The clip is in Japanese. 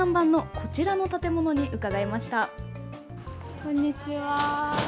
こんにちは。